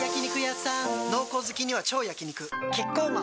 濃厚好きには超焼肉キッコーマン